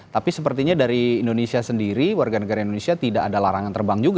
tapi sepertinya dari indonesia sendiri warga negara indonesia tidak ada larangan terbang juga